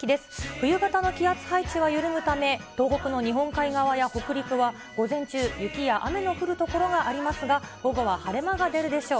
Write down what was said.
冬型の気圧配置は緩むため、東北の日本海側や北陸は午前中、雪や雨の降る所がありますが、午後は晴れ間が出るでしょう。